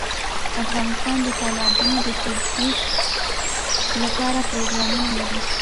افغانستان د تالابونو د ترویج لپاره پروګرامونه لري.